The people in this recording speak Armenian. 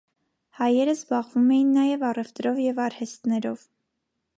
Հայերը զբաղվում էին նաև առևտրով և արհեստներով։